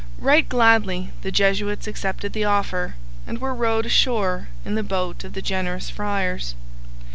Right gladly the Jesuits accepted the offer and were rowed ashore in the boat of the generous friars.